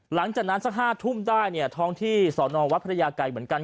หลังจากนั้น๕ทุ่มท้องที่ที่สนวัดพระยาไกร